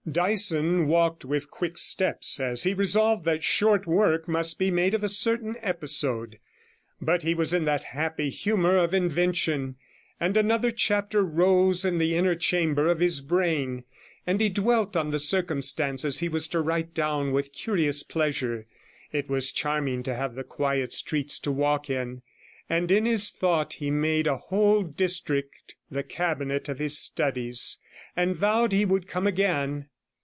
Dyson walked with quick steps, as he resolved that short work must be made of a certain episode; but he was in that happy humour of invention, and another chapter rose in the inner chamber of his brain, and he dwelt on the circumstances he was to write down with curious pleasure. It was charming to have the quiet streets to walk in, and in his thought he made a whole district the cabinet of his studies, and vowed he would come again.